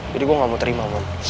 jadi gue gak mau terima mon